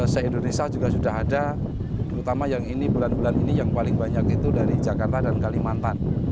se indonesia juga sudah ada terutama yang ini bulan bulan ini yang paling banyak itu dari jakarta dan kalimantan